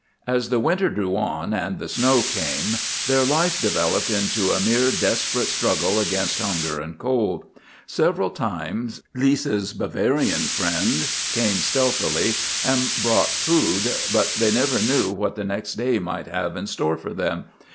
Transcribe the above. As the winter drew on and the snow came their life developed into a mere desperate struggle against hunger and cold. Several times Lisa's Bavarian friend came stealthily and brought food, but they never knew what the next day might have in store for them.